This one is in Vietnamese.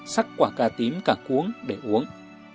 sắc quả cà tím cà cuống để uống